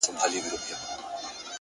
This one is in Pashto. علم د انسان د ذهن ځواک دی.